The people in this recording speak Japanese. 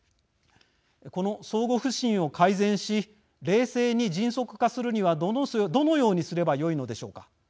この相互不信を改善し冷静に迅速化するにはどのようにすればよいのでしょうか。